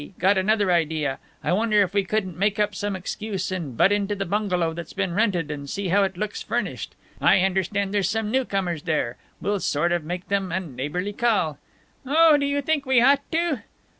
Got another idea! I wonder if we couldn't make up some excuse and butt into the bungalow that's been rented, and see how it looks furnished. I understand there's some new comers living there. We'll sort of make them a neighborly call." "Oh, do you think we ought to?"